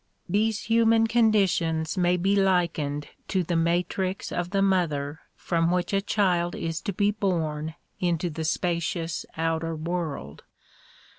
These human conditions may be likened to the matrix of the mother from which a child is to be born into the spacious outer world.